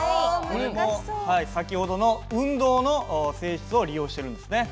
これも先ほどの運動の性質を利用してるんですね。